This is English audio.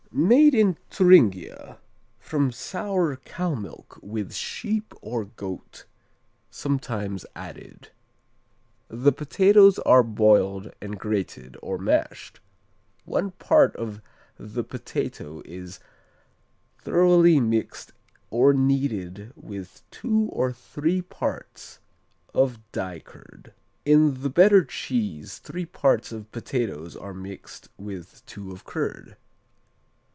_ Made in Thuringia from sour cow milk with sheep or goat sometimes added. "The potatoes are boiled and grated or mashed. One part of the potato is thoroughly mixed or kneaded with two or three parts of die curd. In the better cheese three parts of potatoes are mixed with two of curd.